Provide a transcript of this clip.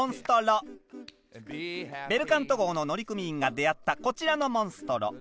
ベルカント号の乗組員が出会ったこちらのモンストロ。